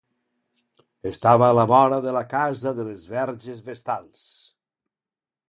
Estava a la vora de la casa de les verges vestals.